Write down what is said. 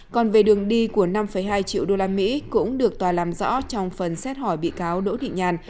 còn về đường đi của năm hai triệu đô la mỹ cũng được tòa làm rõ trong phần xét hỏi bị cáo đỗ thị nhàn